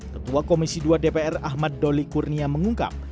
ketua komisi dua dpr ahmad doli kurnia mengungkap